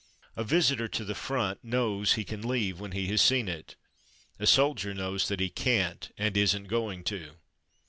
A visitor to the front knows he can leave when he has seen it. A soldier knows that he can't and isn't going to.